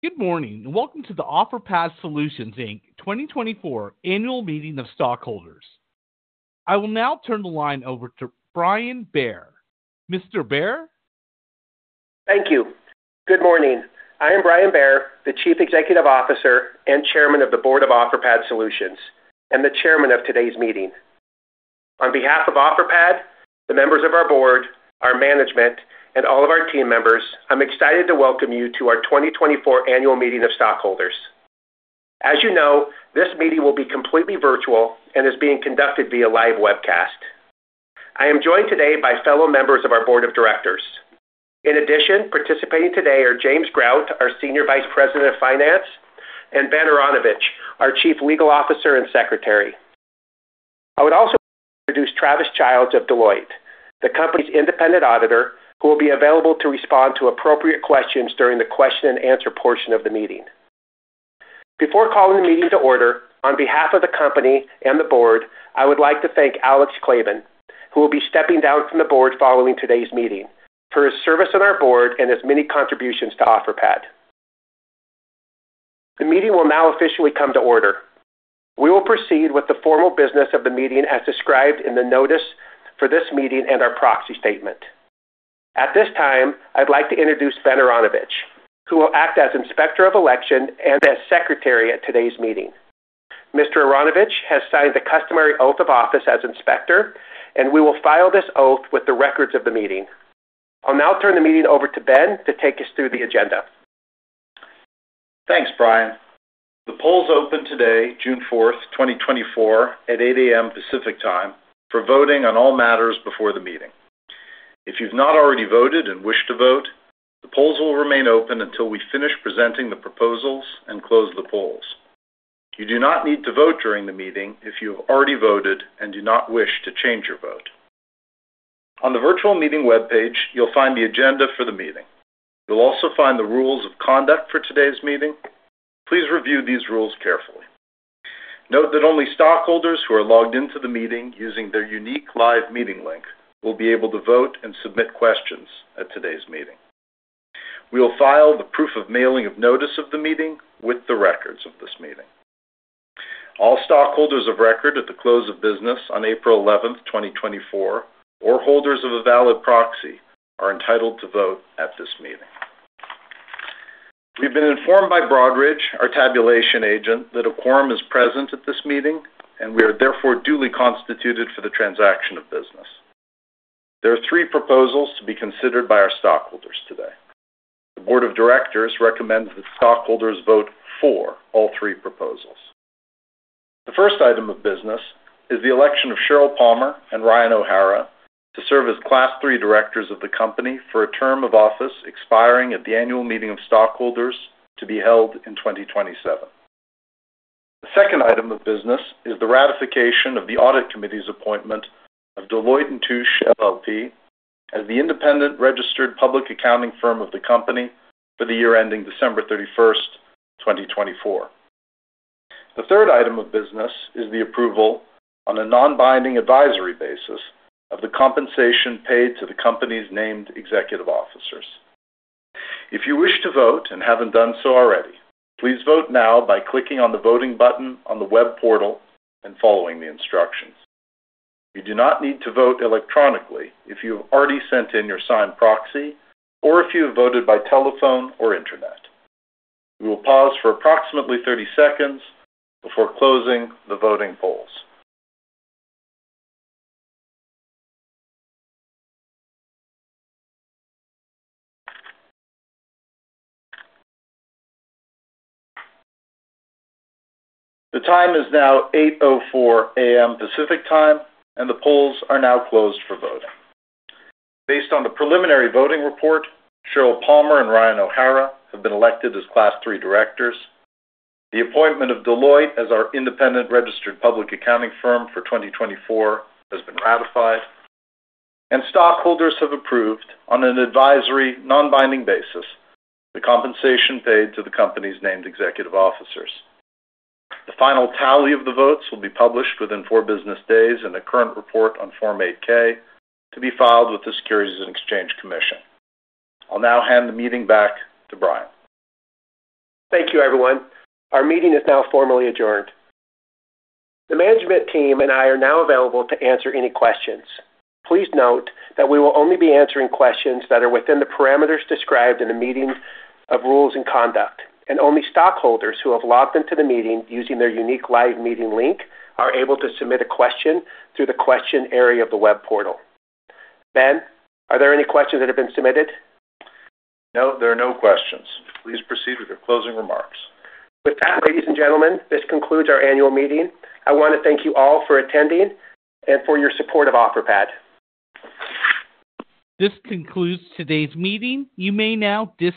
Good morning, and welcome to the Offerpad Solutions Inc. 2024 Annual Meeting of Stockholders. I will now turn the line over to Brian Bair. Mr. Bair? Thank you. Good morning. I am Brian Bair, the Chief Executive Officer and Chairman of the Board of Offerpad Solutions, and the Chairman of today's meeting. On behalf of Offerpad, the members of our board, our management, and all of our team members, I'm excited to welcome you to our 2024 Annual Meeting of Stockholders. As you know, this meeting will be completely virtual and is being conducted via live webcast. I am joined today by fellow members of our Board of Directors. In addition, participating today are James Grout, our Senior Vice President of Finance, and Ben Aronovitch, our Chief Legal Officer and Secretary. I would also like to introduce Travis Childs of Deloitte, the company's independent auditor, who will be available to respond to appropriate questions during the question and answer portion of the meeting. Before calling the meeting to order, on behalf of the company and the board, I would like to thank Alex Klabin, who will be stepping down from the board following today's meeting, for his service on our board and his many contributions to Offerpad. The meeting will now officially come to order. We will proceed with the formal business of the meeting as described in the notice for this meeting and our proxy statement. At this time, I'd like to introduce Benjamin Aronovitch, who will act as Inspector of Election and as Secretary at today's meeting. Mr. Aronovitch has signed the customary oath of office as Inspector, and we will file this oath with the records of the meeting. I'll now turn the meeting over to Ben to take us through the agenda. Thanks, Brian. The polls opened today, June fourth, 2024, at 8:00 A.M. Pacific Time for voting on all matters before the meeting. If you've not already voted and wish to vote, the polls will remain open until we finish presenting the proposals and close the polls. You do not need to vote during the meeting if you have already voted and do not wish to change your vote. On the virtual meeting webpage, you'll find the agenda for the meeting. You'll also find the Rules of Conduct for today's meeting. Please review these rules carefully. Note that only stockholders who are logged into the meeting using their unique live meeting link will be able to vote and submit questions at today's meeting. We will file the proof of mailing of notice of the meeting with the records of this meeting. All stockholders of record at the close of business on April 11, 2024, or holders of a valid proxy, are entitled to vote at this meeting. We've been informed by Broadridge, our tabulation agent, that a quorum is present at this meeting, and we are therefore duly constituted for the transaction of business. There are three proposals to be considered by our stockholders today. The Board of Directors recommends that stockholders vote for all three proposals. The first item of business is the election of Sheryl Palmer and Ryan O'Hara to serve as Class III Directors of the company for a term of office expiring at the Annual Meeting of Stockholders to be held in 2027. The second item of business is the ratification of the Audit Committee's appointment of Deloitte & Touche LLP as the independent registered public accounting firm of the company for the year ending December 31, 2024. The third item of business is the approval on a non-binding advisory basis of the compensation paid to the company's named executive officers. If you wish to vote and haven't done so already, please vote now by clicking on the voting button on the web portal and following the instructions. You do not need to vote electronically if you have already sent in your signed proxy or if you have voted by telephone or internet. We will pause for approximately 30 seconds before closing the voting polls. The time is now 8:04 A.M. Pacific Time, and the polls are now closed for voting. Based on the preliminary voting report, Sheryl Palmer and Ryan O'Hara have been elected as Class III directors. The appointment of Deloitte as our independent registered public accounting firm for 2024 has been ratified, and stockholders have approved on an advisory, non-binding basis, the compensation paid to the company's named executive officers. The final tally of the votes will be published within four business days in a current report on Form 8-K, to be filed with the Securities and Exchange Commission. I'll now hand the meeting back to Brian. Thank you, everyone. Our meeting is now formally adjourned. The management team and I are now available to answer any questions. Please note that we will only be answering questions that are within the parameters described in the Meeting of Rules and Conduct, and only stockholders who have logged into the meeting using their unique live meeting link are able to submit a question through the question area of the web portal. Ben, are there any questions that have been submitted? No, there are no questions. Please proceed with your closing remarks. With that, ladies and gentlemen, this concludes our annual meeting. I want to thank you all for attending and for your support of Offerpad. This concludes today's meeting. You may now dis-